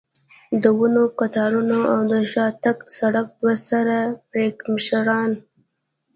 د ونو کتارونه او د شاتګ سړک، دوه سر پړکمشران.